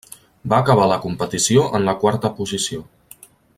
Va acabar la competició en la quarta posició.